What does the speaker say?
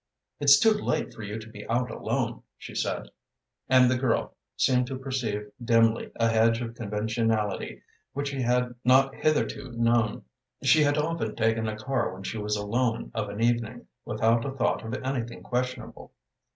"It's too late for you to be out alone," she said, and the girl seemed to perceive dimly a hedge of conventionality which she had not hitherto known. She had often taken a car when she was alone of an evening, without a thought of anything questionable.